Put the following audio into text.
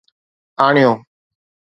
آڻيو